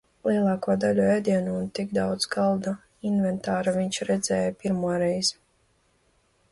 "Lielāko daļu ēdienu un tik daudz galda "inventāra" viņš redzēja pirmo reizi."